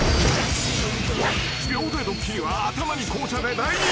［秒でドッキリは頭に紅茶で大人気］